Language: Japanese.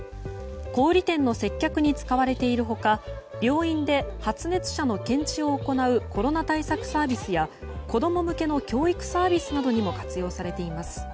小売店の接客に使われている他病院で発熱者の検知を行うコロナ対策サービスや子供向けの教育サービスなどにも活用されています。